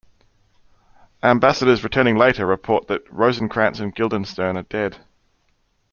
Ambassadors returning later report that "Rosencrantz and Guildenstern are dead.